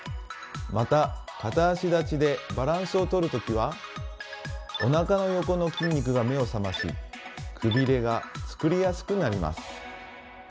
また片足立ちでバランスをとる時はおなかの横の筋肉が目を覚ましくびれが作りやすくなります。